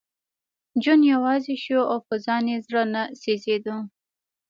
جون یوازې شو او په ځان یې زړه نه سېزېده